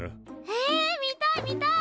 へえ見たい見たい！